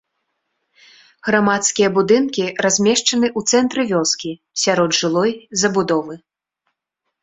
Грамадскія будынкі размешчаны ў цэнтры вёскі, сярод жылой забудовы.